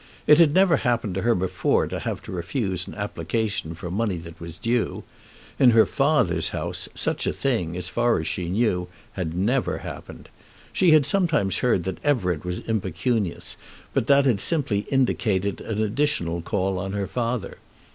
It had never happened to her before to have to refuse an application for money that was due. In her father's house such a thing, as far as she knew, had never happened. She had sometimes heard that Everett was impecunious, but that had simply indicated an additional call upon her father.